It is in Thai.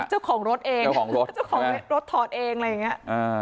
อาจจะเจ้าของรถเองเจ้าของรถถอดเองอะไรอย่างนี้